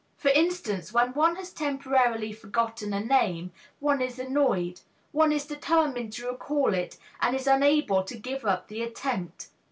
For instance, when one has temporarily forgotten a name, one is annoyed, one is determined to recall it and is unable to give up the attempt.